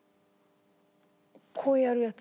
こうやるやつ？